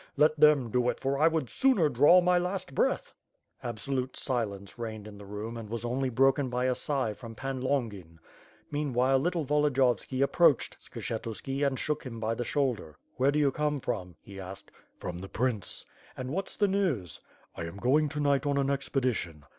Let them do it, for I would sooner draw my last breath. Absolute silence reigned in the room and was only broken by a sigh from Pan Ijongin. Meanwhile little Volodiyovski approached Skshetuski and shook him by the shoMlder. "Where do you come from," he asked. ^^From the prince." "And what's the news?" "Z am going to night on an expedition."